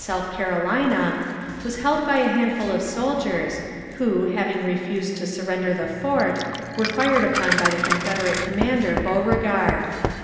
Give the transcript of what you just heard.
324 MONCURE DANIEL CONWAY Soath Carolina, was held by a handful of soldiers, who, having refused to surrender the fort, were fired upon by the Confed erate commander Beauregard.